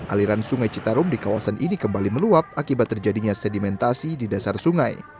aliran sungai citarum di kawasan ini kembali meluap akibat terjadinya sedimentasi di dasar sungai